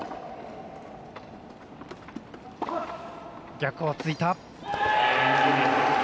逆をついた！